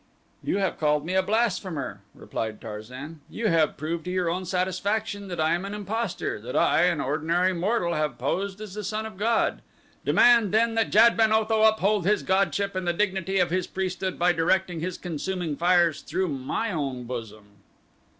"You have called me a blasphemer," replied Tarzan, "you have proved to your own satisfaction that I am an impostor, that I, an ordinary mortal, have posed as the son of god. Demand then that Jad ben Otho uphold his godship and the dignity of his priesthood by directing his consuming fires through my own bosom."